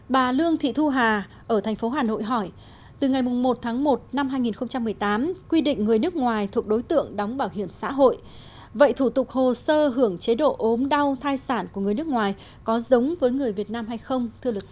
bà lương thị thu hà ở thành phố hà nội hỏi từ ngày một tháng một năm hai nghìn một mươi tám quy định người nước ngoài thuộc đối tượng đóng bảo hiểm xã hội vậy thủ tục hồ sơ hưởng chế độ ốm đau thai sản của người nước ngoài có giống với người việt nam hay không